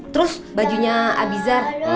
terus bajunya abizar